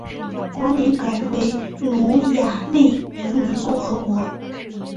国名也改为匈牙利人民共和国。